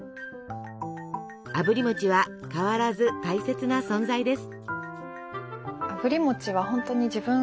あぶり餅は変わらず大切な存在です。